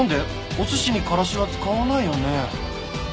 お寿司にカラシは使わないよね。